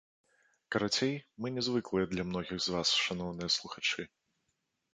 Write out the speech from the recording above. Карацей, мы нязвыклыя для многіх з вас, шаноўныя слухачы.